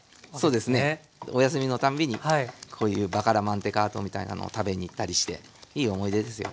そうですねお休みのたんびにこういうバカラマンテカートみたいなのを食べに行ったりしていい思い出ですよ。